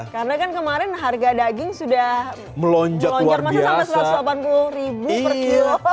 karena kan kemarin harga daging sudah melonjak masa sampai satu ratus delapan puluh ribu per kilo